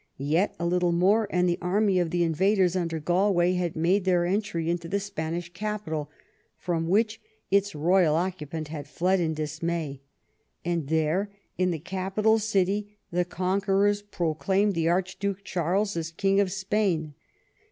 Yet a little more, and the army of the invaders under Galway had made their entry into the Spanish capital, from which its royal occupant had fled in dismay, and there in the capital city the conquerors proclaimed the Archduke Charles as King of Spain.